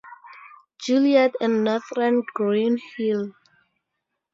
Juliet and northern Green Hill.